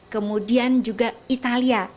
kemudian juga italia